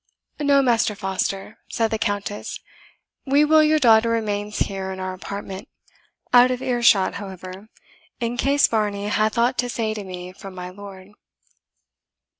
"No, Master Foster," said the Countess, "we will your daughter remains here in our apartment out of ear shot, however, in case Varney bath ought to say to me from my lord."